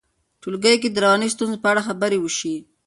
ټولګیو کې د رواني ستونزو په اړه خبرې وشي.